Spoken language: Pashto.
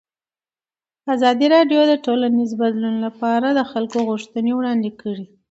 ازادي راډیو د ټولنیز بدلون لپاره د خلکو غوښتنې وړاندې کړي.